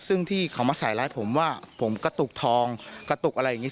ซึ่งที่เขามาใส่ร้ายผมว่าผมกระตุกทองกระตุกอะไรอย่างนี้